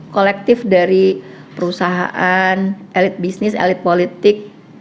kolektif dari perusahaan elit bisnis elit politik